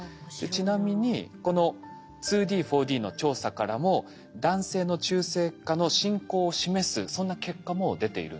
ちなみにこの２Ｄ：４Ｄの調査からも男性の中性化の進行を示すそんな結果も出ているんです。